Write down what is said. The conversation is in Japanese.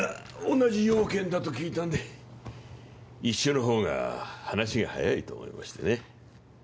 同じ用件だと聞いたんで一緒の方が話が早いと思いましてね